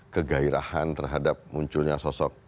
kegairahan terhadap munculnya sosok